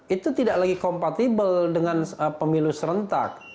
itu tidak lagi kompatibel dengan pemilu serentak